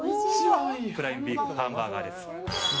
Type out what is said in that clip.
プライムビーフハンバーガーです。